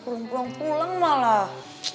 belum pulang pulang malah